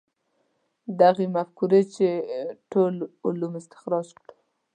دغې مفکورې چې ټول علوم استخراج کړو.